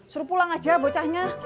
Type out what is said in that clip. suruh pulang aja bocahnya